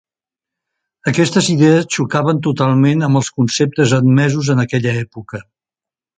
Aquestes idees xocaven totalment amb els conceptes admesos en aquella època.